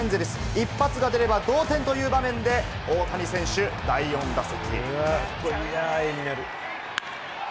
一発が出れば同点という場面で大谷選手、第４打席。